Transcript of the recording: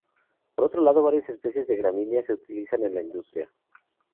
Por otro lado, varias especies de gramíneas se utilizan en la industria.